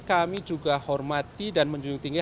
kami juga hormati dan menjunjung tinggi